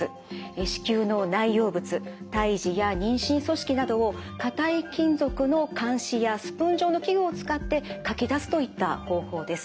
子宮の内容物胎児や妊娠組織などを硬い金属の鉗子やスプーン状の器具を使ってかき出すといった方法です。